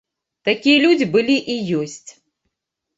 Такія людзі былі і ёсць.